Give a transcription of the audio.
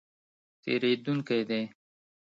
تېرېدونکی دی